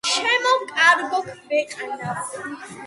ჩემო კარგო ქვეყანავ